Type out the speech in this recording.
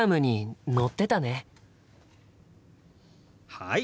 はい！